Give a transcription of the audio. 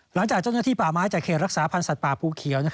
หลังจากเจ้าหน้าที่ป่าไม้จากเขตรักษาพันธ์สัตว์ป่าภูเขียว